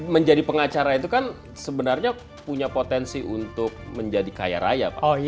menjadi pengacara itu kan sebenarnya punya potensi untuk menjadi kaya raya pak